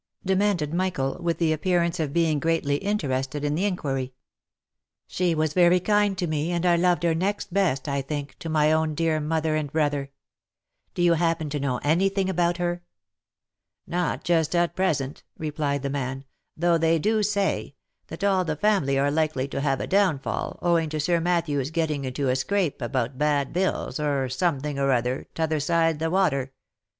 de manded Michael, with the appearance of being greatly interested in the inquiry. " She was very kind to me, and I loved her next best, I think, to my own dear mother and brother. Do you happen to know any thing about her?" " Not just at present," replied the man; "though they do say, that all the family are likely to have a downfal, owing to Sir Mat thew's getting into a scrape about bad bills, or something or other, t'other side of the water.